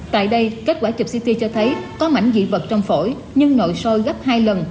tại đây kết quả chụp ct cho thấy có mảnh dị vật trong phổi nhưng nội sôi gấp hai lần